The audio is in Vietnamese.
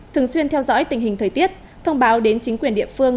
thường xuyên theo dõi tình hình thời tiết thông báo đến chính quyền địa phương